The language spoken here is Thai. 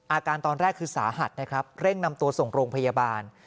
อาการตอนแรกคือสาหัสนะครับเร่งนำตัวส่งโรงพยาบาล